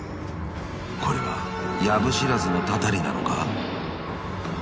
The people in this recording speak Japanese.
［これは藪知らずのたたりなのか？］